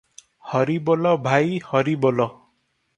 ହରିବୋଲ ଭାଇ ହରିବୋଲ ।